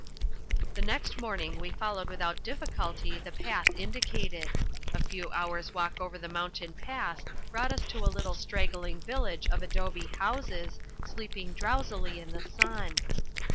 The next morning we followed without difficulty the path indicated. A few hours' walk over the mountain pass brought us to a little straggling village of adobe houses, sleeping drowsily in the sun.